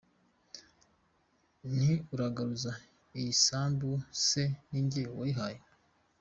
Nti uragaruza isambu se ninjye wayihaye ?